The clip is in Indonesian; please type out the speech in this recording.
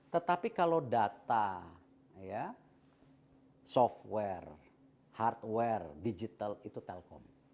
tetapi kalau data software hardware digital itu telkom